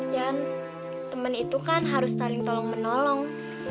yan temen itu kan harus saling tolong menolong